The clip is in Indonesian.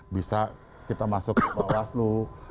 bisa kita masuk ke bawah slu